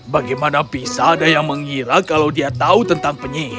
bagaimana bisa ada yang mengira kalau dia tahu tentang penyihir